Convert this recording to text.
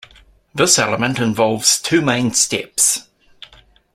This element involves two main steps.